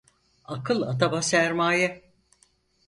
Akıl adama sermaye.